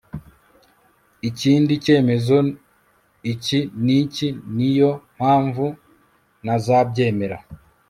ikindi cyemezo iki n iki ni yo mpamvu nazabyemera